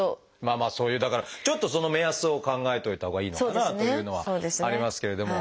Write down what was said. そういうだからちょっとその目安を考えといたほうがいいのかなというのはありますけれども。